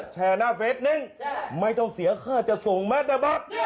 แชร์หน้าเฟสหนึ่งไม่ต้องเสียค่าจะส่งแมทดาบัตร